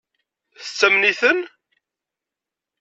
Tettamen-iten?